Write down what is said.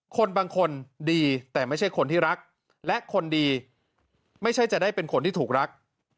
คนบางคนดีแต่ไม่ใช่คนที่รักและคนดีไม่ใช่จะได้เป็นคนที่ถูกรัก